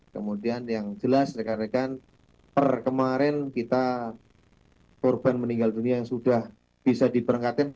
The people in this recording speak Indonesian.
kemudian yang jelas rekan rekan per kemarin kita korban meninggal dunia yang sudah bisa diberangkatkan